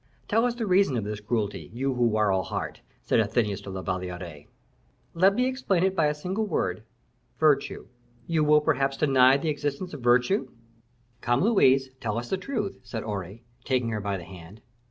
"Tell us the reason of this cruelty, you who are all heart," said Athenais to La Valliere. "Let me explain it by a single word virtue. You will perhaps deny the existence of virtue?" "Come, Louise, tell us the truth," said Aure, taking her by the hand.